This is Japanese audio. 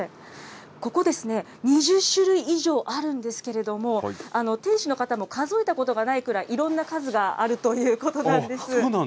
ここですね、２０種類以上あるんですけれども、店主の方も、数えたことがないくらい、いろんな数があるということなんです。